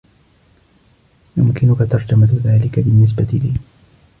يمكنك ترجمة ذلك بالنسبة لي؟